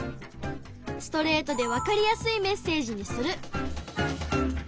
ストレートでわかりやすいメッセージにする。